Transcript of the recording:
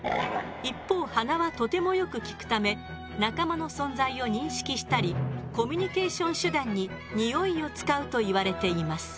一方鼻はとてもよく利くため仲間の存在を認識したりコミュニケーション手段ににおいを使うといわれています。